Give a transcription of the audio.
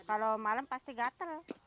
kalau malam pasti gatal